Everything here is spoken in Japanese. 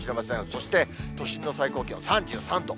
そして都心の最高気温３３度。